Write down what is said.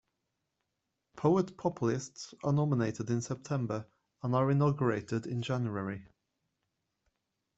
Poet Populists are nominated in September and are inaugurated in January.